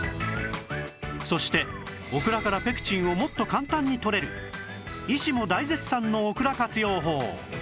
そしてオクラからペクチンをもっと簡単にとれる医師も大絶賛のオクラ活用法